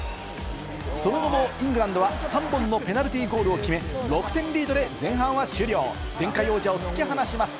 その後もイングランドは３本のペナルティーゴールを決め、６点リードで前半は終了、前回王者を突き放します。